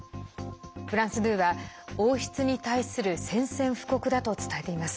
フランス２は、王室に対する宣戦布告だと伝えています。